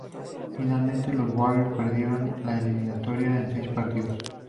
Finalmente, los Warriors perdieron la eliminatoria en seis partidos.